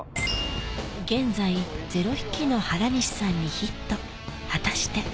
現在０匹の原西さんにヒット果たして？